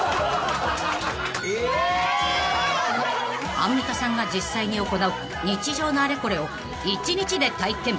［アンミカさんが実際に行う日常のあれこれを１日で体験］